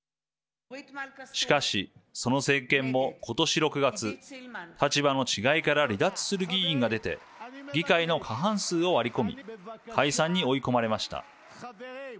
しかし、その政権も今年６月立場の違いから離脱する議員が出て議会の過半数を割り込み解散に追い込まれました。